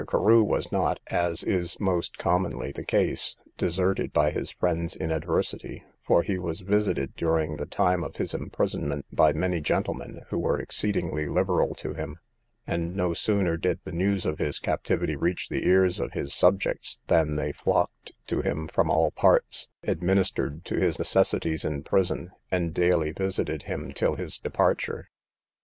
Carew was not, as is most commonly the case, deserted by his friends in adversity, for he was visited during the time of his imprisonment by many gentlemen, who were exceedingly liberal to him; and no sooner did the news of his captivity reach the ears of his subjects, than they flocked to him from all parts, administered to his necessities in prison, and daily visited him till his departure.